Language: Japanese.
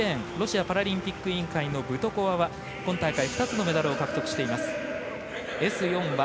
１レーンロシアパラリンピック委員会のブトコワは今大会は２つのメダルを獲得しています。